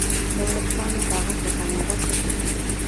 د ورځپاڼو کاغذ له کاناډا څخه ځي.